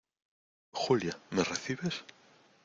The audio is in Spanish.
Julia, ¿ me recibes?